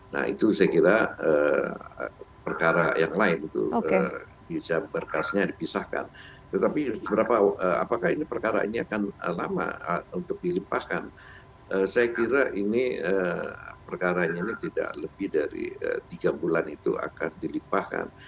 nah itu saya kira perkara yang lain itu bisa berkasnya dipisahkan tetapi apakah ini perkara ini akan lama untuk dilimpahkan saya kira ini perkaranya ini tidak lebih dari tiga bulan itu akan dilimpahkan